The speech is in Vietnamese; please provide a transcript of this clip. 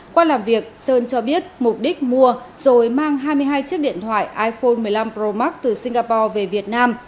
qua làm việc sơn cho biết mục đích mua rồi mang hai mươi hai chiếc điện thoại iphone một mươi năm pro max từ singapore về việt nam